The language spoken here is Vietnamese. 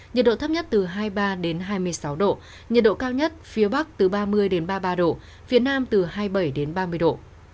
nhiệt độ thấp nhất từ hai mươi ba hai mươi sáu độ nhiệt độ cao nhất phía bắc từ ba mươi ba mươi ba độ phía nam từ hai mươi bảy đến ba mươi độ